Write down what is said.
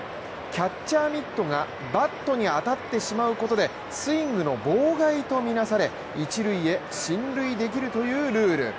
キャッチャーミットがバットに当たってしまうことでスイングの妨害とみなされ一塁へ進塁できるというルール。